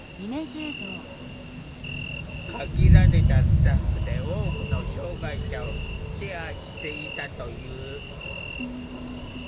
限られたスタッフで多くの障害者をケアしていたという。